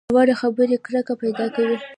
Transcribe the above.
ناوړه خبرې کرکه پیدا کوي